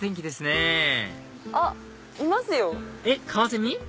えっカワセミ？